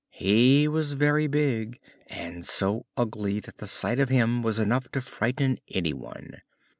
He was very big, and so ugly that the sight of him was enough to frighten anyone.